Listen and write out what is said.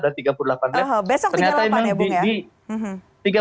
besok tiga lapan ya bung ya